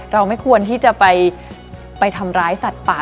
เราไม่ควรที่จะไปทำร้ายสัตว์ป่า